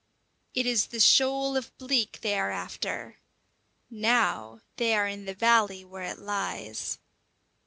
It is the shoal of bleak they are after. Now they are in the valley where it lies.